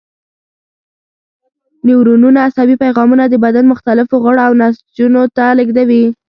نیورونونه عصبي پیغامونه د بدن مختلفو غړو او نسجونو ته لېږدوي.